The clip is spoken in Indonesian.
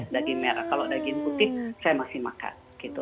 daging merah kalau daging putih saya masih makan gitu